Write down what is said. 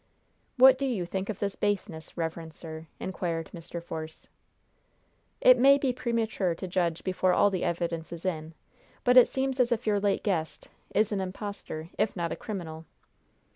"What do you think of this baseness, reverend sir?" inquired Mr. Force. "It may be premature to judge before all the evidence is in, but it seems as if your late guest is an impostor, if not a criminal."